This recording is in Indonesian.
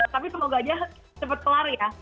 tapi semoga aja cepet kelar ya